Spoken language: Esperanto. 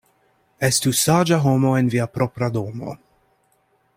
Estu saĝa homo en via propra domo.